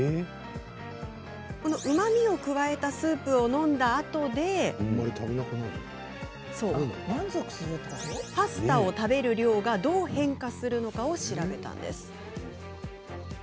うまみを加えたスープを飲んだあとでパスタを食べる量がどう変化するかを調べたんです。